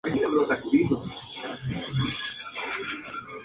Posteriormente, pasó a ser la subunidad de la lira de oro turca.